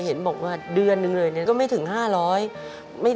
เห็นบอกว่าเดือนหนึ่งเลยก็ไม่ถึง๕๐๐บาท